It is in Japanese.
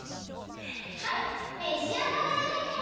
はいめしあがれ。